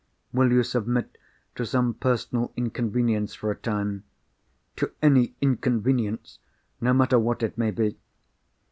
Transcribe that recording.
"Will you submit to some personal inconvenience for a time?" "To any inconvenience, no matter what it may be."